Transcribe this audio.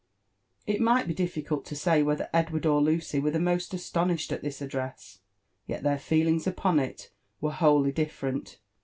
It might be difficult to say whether Edward or Lucy were the most astonished at this address. Yet their feelings upon it were wholly dif ferent.